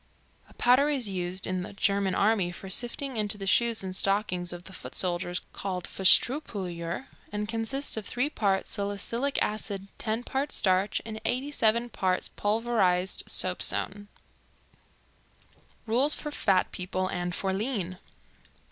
A powder is used in the German army for sifting into the shoes and stockings of the foot soldiers, called "Fusstreupulver," and consists of 3 parts salicylic acid, 10 parts starch and 87 parts pulverized soapstone. Rules for Fat People and for Lean.